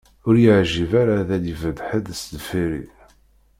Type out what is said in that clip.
Ur y-iεǧib ara ad d-ibedd ḥedd sdeffir-i.